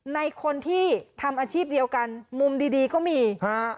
ในคนที่ทำอาชีพเดียวกันมุมดีดีก็มีฮะ